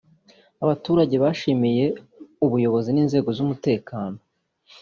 Abaturage bashimiye ubuyobozi n’inzego z’umutekano